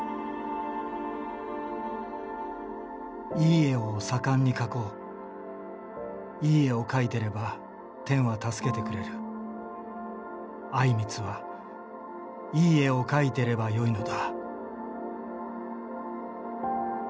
「いい絵を盛んに描こういい絵を描いてれば天は助けてくれる靉光はいい絵を描いてればよいのだ」。